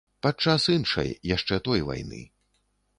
Падчас іншай, яшчэ той вайны.